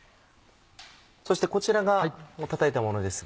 そしてこちらがたたいたものですが。